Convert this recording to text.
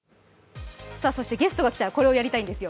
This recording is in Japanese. ゲストが来たらこれをやりたいんですよ。